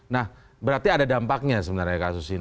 nah berarti ada dampaknya sebenarnya kasus ini